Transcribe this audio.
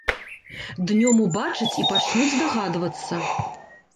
Днём убачаць і пачнуць здагадвацца.